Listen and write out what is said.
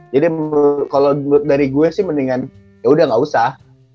jadi kalau menurut gue sih mendingan yaudah gak usah